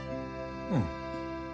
うん。